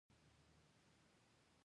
یو پانګوال حق نه درلود چې توکي وپلوري